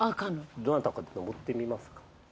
どなたか登ってみますか？